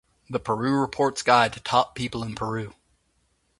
The Peru Report's Guide to Top People in Peru.